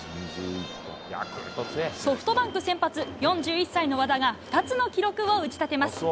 ソフトバンク先発、４１歳の和田が、２つの記録を打ち立てます。